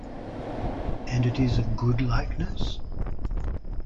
And it is a good likeness?